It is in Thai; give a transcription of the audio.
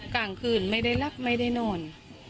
กลางคืนไม่ได้หลับไม่ได้นอน